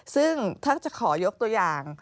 ซึ่งถ้าจะขอยกตัวอย่าง